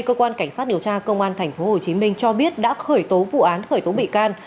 cơ quan cảnh sát điều tra công an tp hcm cho biết đã khởi tố vụ án khởi tố bị can